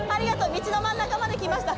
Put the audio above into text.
道の真ん中まで来ました。